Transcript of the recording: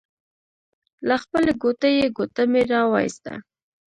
له خپلې ګوتې يې ګوتمۍ را وايسته.